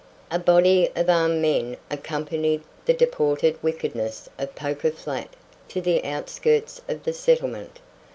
A body of armed men accompanied the deported wickedness of Poker Flat to the outskirts of the settlement.